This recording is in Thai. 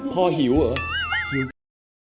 พ่อหิวเหรอ